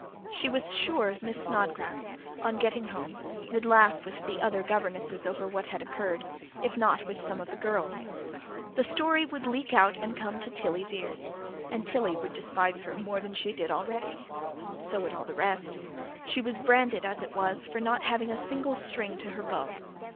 She was sure Miss Snodgrass, on getting home, would laugh with the other governesses over what had occurred if not with some of the girls. The story would leak out and come to Tilly's ears; and Tilly would despise her more than she did already. So would all the rest. She was branded, as it was, for not having a single string to her bow.